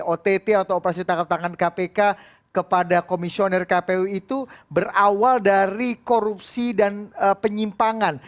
ott atau operasi tangkap tangan kpk kepada komisioner kpu itu berawal dari korupsi dan penyimpangan